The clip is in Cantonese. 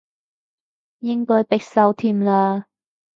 應該必修添啦